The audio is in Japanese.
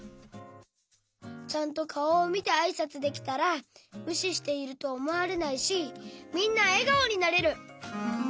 ちゃんとかおをみてあいさつできたらむししているとおもわれないしみんなえがおになれる。